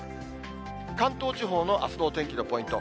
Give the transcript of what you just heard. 関東地方のあすの天気のポイント。